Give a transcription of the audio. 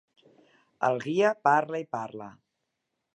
El guia parla i parla.